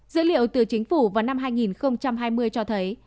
dữ liệu từ chính phủ vào năm hai nghìn hai mươi cho thấy